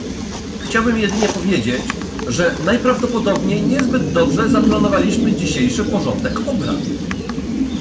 Chciałbym jedynie powiedzieć, że najprawdopodobniej niezbyt dobrze zaplanowaliśmy dzisiejszy porządek obrad